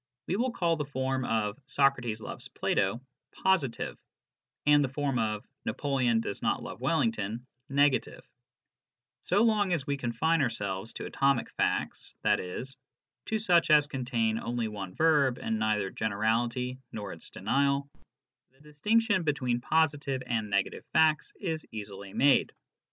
We will call the form of '' Socrates loves Plato " positive, and the form of " Napoleon does not love Wellington " negative. So long as we confine ourselves to atomic facts, i.e., to such as contain only one verb and neither generality nor'* its denial, the distinction between positive and negative facts is easily made.